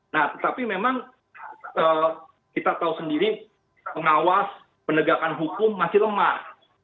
nah tetapi memang kita tahu sendiri pengawas penegakan hukum masih lemah